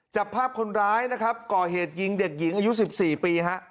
จับภาพคนร้ายนะครับก่อเหตุยิงเด็กหญิงอายุ๑๔ปีฮะ